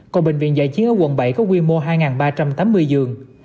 còn bệnh viện giải chiến ở quận bảy có quy mô hai ba trăm tám mươi giường